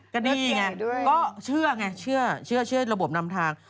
ก็นี่ไงก็เชื่อไงเชื่อระบบนำทาง